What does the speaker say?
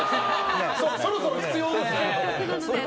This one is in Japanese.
そろそろ必要ですよね。